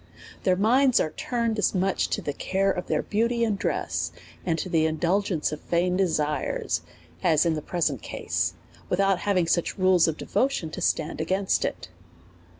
Tlieir minds are turned as much to the care of their beauty and dress, and the indulgence of vain desires, as in the present case, without having such rules of devotion to stand against it.